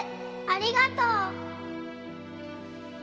ありがとう。